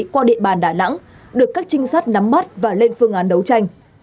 qua địa bàn đà nẵng được các trinh sát nắm bắt và lên phương án đấu tranh